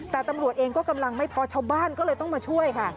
แต่ตำรวจเองก็กำลังไม่พอชาวบ้านก็เลยต้องมาช่วยค่ะ